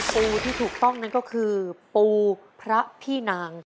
ปูที่ถูกต้องนั่นก็คือปูพระพี่นาง